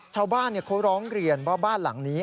ชาวบ้านเขาร้องเรียนว่าบ้านหลังนี้